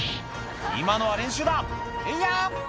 「今のは練習だえいや！」